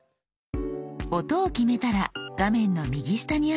音を決めたら画面の右下にあるこちら。